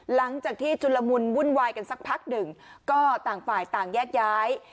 หลังจากที่ชุลมุนวุ่นวายกันสักพักหนึ่งก็ต่างฝ่ายต่างแยกย้าย